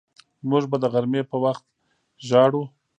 موږ به د غرمې په وخت ژاړو